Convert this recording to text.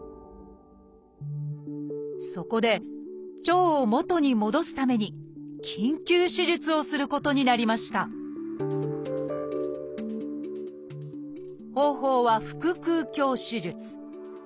そこで腸を元に戻すために緊急手術をすることになりました方法は腹腔鏡手術。